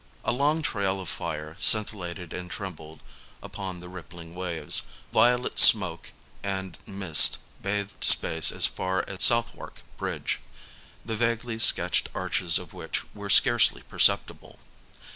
A long trail of fire scintillated and trembled upon the rippling waves ; violet smoke and mist bathed space as far as Southwark Bridge, the vaguely sketched arches of which were scarcely perceptible.